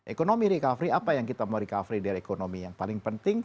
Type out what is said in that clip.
ekonomi recovery apa yang kita mau recovery dari ekonomi yang paling penting